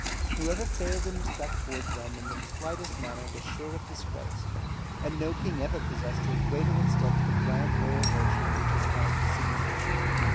Whoever failed in respect towards them in the slightest manner was sure of disgrace, and no king ever possessed to a greater extent the grand royal virtue which is called dissimulation.